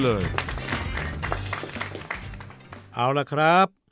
เอาล่ะครับ